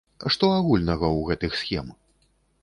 Што агульнага ў гэтых схем?